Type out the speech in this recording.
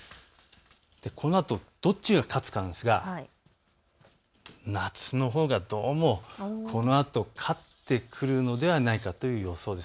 このあとどちらが勝つかですが夏のほうがどうもこのあと勝ってくるのではないかという予想です。